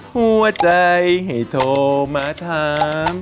หัวใจให้โทรมาถาม